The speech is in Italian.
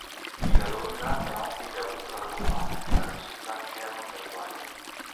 Vive a Londra e ha un figlio avuto dalla compagna, la regista Sharon Maguire.